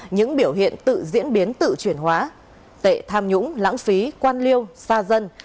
những biểu hiện tự diễn biến tự chuyển hóa tệ tham nhũng lãng phí quan liêu xa dân